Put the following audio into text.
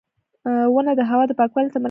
• ونه د هوا پاکوالي ته مرسته کوي.